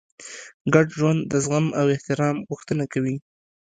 ګډ ژوند د زغم او احترام غوښتنه کوي.